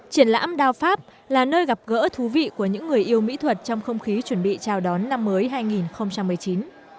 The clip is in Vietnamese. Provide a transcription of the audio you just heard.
triển lãm đao pháp là nơi gặp gỡ thú vị của những người yêu mỹ thuật trong không khí chuẩn bị chào đón năm mới hai nghìn một mươi chín